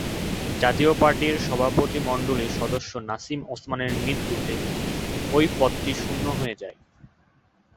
জাতীয় পার্টির সভাপতিমণ্ডলীর সদস্য নাসিম ওসমানের মৃত্যুতে ওই পদটি শূন্য হয়।